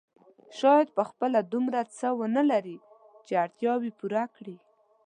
شاید په خپله دومره څه ونه لري چې اړتیاوې پوره کړي.